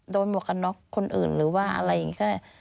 หมวกกันน็อกคนอื่นหรือว่าอะไรอย่างนี้ก็ได้